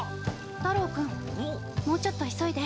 太朗君もうちょっと急いで。